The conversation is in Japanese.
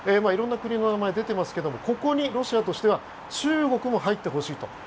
色んな国の名前が出ていますけどここにロシアとしては中国も入ってほしいと。